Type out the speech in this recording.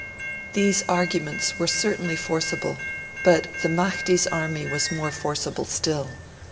These arguments were certainly forcible; but the Mahdi's army was more forcible still.